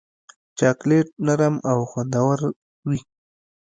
چاکلېټ نرم او خوندور وي.